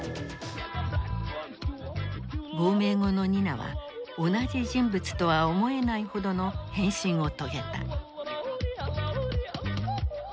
亡命後のニナは同じ人物とは思えないほどの変身を遂げた。